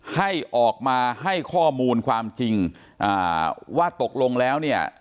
ให้ออกมาให้ข้อมูลความจริงอ่าว่าตกลงแล้วเนี่ย